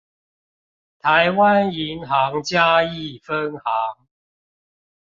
臺灣銀行嘉義分行